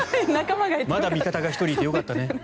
まだ味方が１人いてよかったね。